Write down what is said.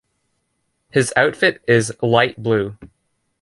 His outfit is light blue.